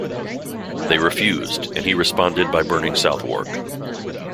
They refused, and he responded by burning Southwark.